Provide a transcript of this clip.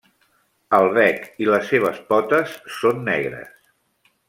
El bec i les seves potes són negres.